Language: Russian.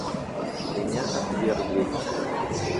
Меня отвергли.